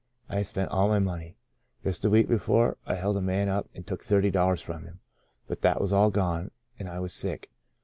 I had spent all my money. Just a week before I had held a man up and took thirty dollars from him, but that was all gone and I was sick.